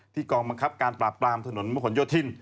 กองบังคับการปราบปรามถนนมหลโยธิน